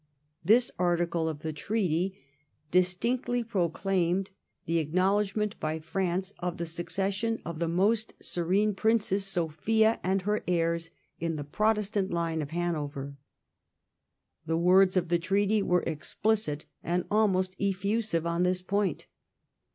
This article of the Treaty dis 1713 THE HANOVEEIAN SUCCESSION. 129 tinctly proclaimed the acknowledgment by France of the succession " of the most Serene Princess Sophia and her heirs in the Protestant line of Hanover.' The words of the Treaty were explicit and almost effusive on this point.